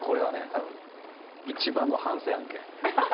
たぶん一番の反省案件。